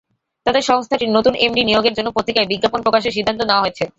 তাতে সংস্থাটির নতুন এমডি নিয়োগের জন্য পত্রিকায় বিজ্ঞাপন প্রকাশের সিদ্ধান্ত নেওয়া হয়েছে।